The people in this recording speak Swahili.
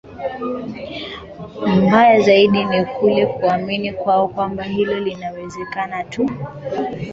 Mbaya zaidi ni kule kuamini kwao kwamba hilo linawezekana tu